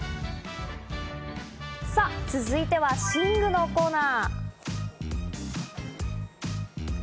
さあ続いては寝具のコーナー。